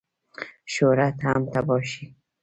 شهرت هم تباه شي.